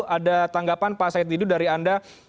ada tanggapan pak said didu dari anda